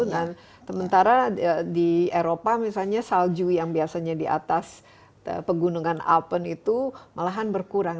dan sementara di eropa misalnya salju yang biasanya di atas pegunungan alpen itu malahan berkurang